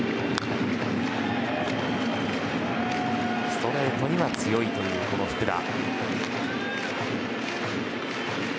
ストレートには強いという福田。